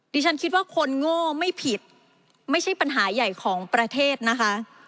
ดิฉันคิดว่าคนโง่ไม่ผิดไม่ใช่ปัญหาใหญ่ของประเทศนะคะ